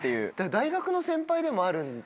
大学の先輩でもあるんだよね？